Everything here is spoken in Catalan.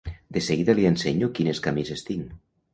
De seguida li ensenyo quines camises tinc.